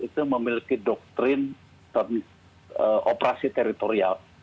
itu memiliki doktrin operasi teritorial